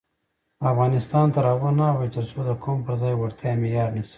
افغانستان تر هغو نه ابادیږي، ترڅو د قوم پر ځای وړتیا معیار نشي.